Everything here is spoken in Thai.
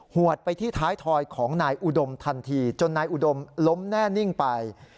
วดไปที่ท้ายถอยของนายอุดมทันทีจนนายอุดมล้มแน่นิ่งไป